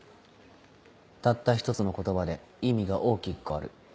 たった一つの言葉で意味が大きく変わる。